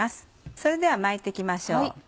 それでは巻いて行きましょう。